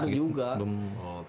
belum tentu juga